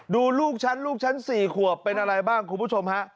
ลูกฉันลูกฉัน๔ขวบเป็นอะไรบ้างคุณผู้ชมฮะ